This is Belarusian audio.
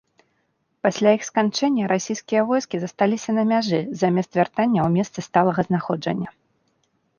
Пасля іх сканчэння расійскія войскі засталіся на мяжы замест вяртання ў месцы сталага знаходжання.